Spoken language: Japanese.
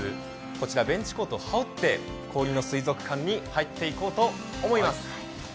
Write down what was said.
こちらのベンチコートを羽織って氷の水族館に入っていこうと思います。